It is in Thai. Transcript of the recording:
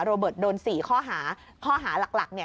โรเบิร์ตโดน๔ข้อหาข้อหาหลักเนี่ย